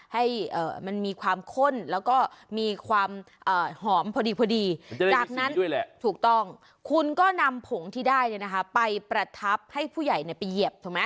ให้มันมีความข้นแล้วก็มีความหอมพอดีจากนั้นถูกต้องคุณก็นำผงที่ได้ไปประทับให้ผู้ใหญ่ไปเหยียบถูกไหม